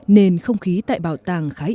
nền không khí tại bảo tàng khá yên